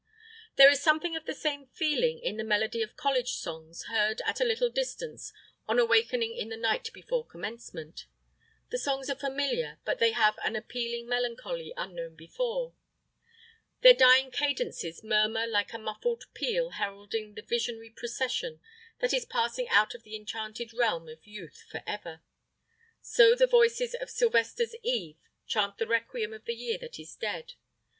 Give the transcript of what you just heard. There is something of the same feeling in the melody of college songs heard at a little distance on awakening in the night before Commencement. The songs are familiar, but they have an appealing melancholy unknown before. Their dying cadences murmur like a muffled peal heralding the visionary procession that is passing out of the enchanted realm of youth forever. So the voices of Sylvester's Eve chant the requiem of the year that is dead.